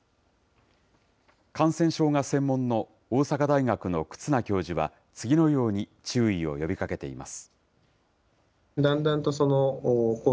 感染症が専門の大阪大学の忽那教授は、次のように注意を呼びかけています。